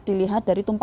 dilihat dari pemerintah